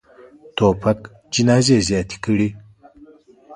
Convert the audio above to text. توپک جنازې زیاتې کړي.